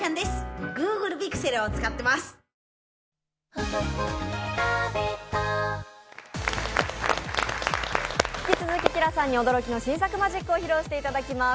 「お椀で食べるシリーズ」引き続きＫｉＬａさんに驚きの新作マジックを披露していただきます。